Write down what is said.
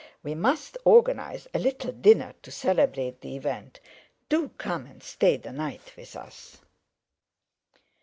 We must organize a little dinner to celebrate the event; do come and stay the night with us!"